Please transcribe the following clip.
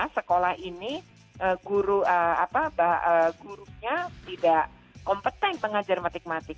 sekolah ini gurunya tidak kompeten mengajar matik matik